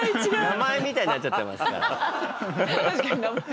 名前みたいになっちゃってますから。